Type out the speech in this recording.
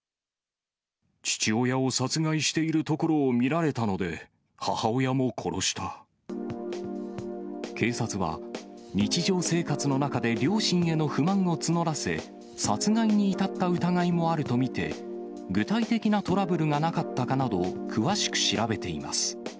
父親を殺害しているところを警察は、日常生活の中で両親への不満を募らせ、殺害に至った疑いもあると見て、具体的なトラブルがなかったかなど、詳しく調べています。